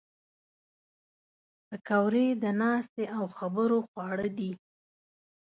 پکورې د ناستې او خبرو خواړه دي